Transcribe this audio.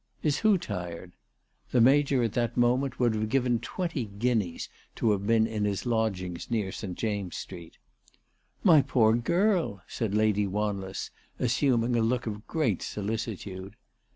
" Is who tired ?" The Major at that moment would have given twenty guineas to have been in his lodg ings near St. James's Street. " My poor girl," said Lady Wanless, assuming a look of great solicitude.